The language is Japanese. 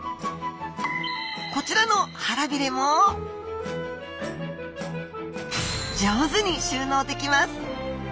こちらの腹びれも上手に収納できます。